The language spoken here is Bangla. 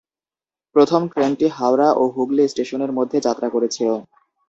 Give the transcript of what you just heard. প্রথম ট্রেনটি হাওড়া ও হুগলি স্টেশনের মধ্যে যাত্রা করেছিল।